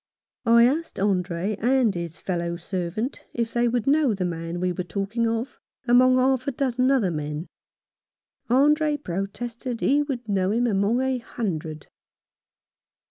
I asked Andre and his fellow servant if they would know the man we were talking of among half a dozen other men. Andre protested he would know him among a hundred.